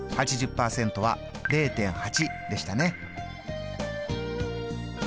８０％は０．８でしたね。